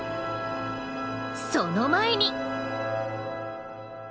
その前に。